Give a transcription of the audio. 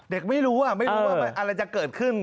เด็กไม่รู้ว่าอะไรจะเกิดขึ้น